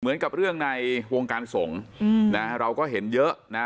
เหมือนกับเรื่องในวงการสงฆ์นะเราก็เห็นเยอะนะ